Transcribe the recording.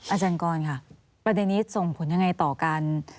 อาจารย์กรค่ะประเด็นนี้ส่งผลยังไงต่อกัน